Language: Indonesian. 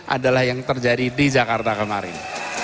adalah yang terjadi di jakarta kemarin